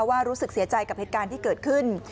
รู้สึกเสียใจกับเหตุการณ์ที่เกิดขึ้น